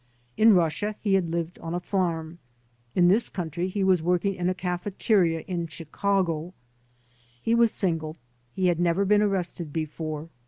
In Russia he had lived on a farm ; in this country he was working in a cafeteria in Chicago. He was single. He had never been arrested before.